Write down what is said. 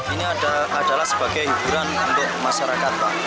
ini adalah sebagai hiburan untuk masyarakat pak